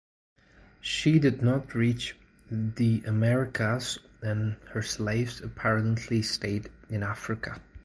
She did not reach the Americas and her slaves apparently stayed in Africa.